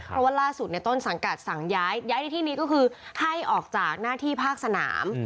เพราะว่าล่าสุดในต้นสังกัดสั่งย้ายในที่นี้ก็คือให้ออกจากหน้าที่ภาคสนาม